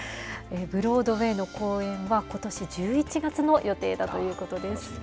ブロードウェイの公演は、ことし１１月の予定だということです。